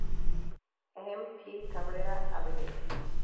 M. P. Cabrera- Av.